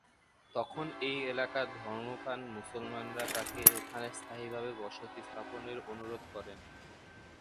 তখন এই এলাকার ধর্মপ্রাণ মুসলমানরা তাঁকে এখানে স্থায়ীভাবে বসতি স্থাপনের অনুরোধ করেন।